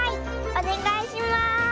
おねがいします！